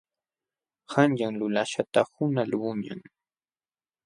Qanyan lulaśhqata qunqaqluuñam.